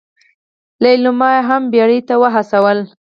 ليلما يې هم بيړې ته وهڅوله.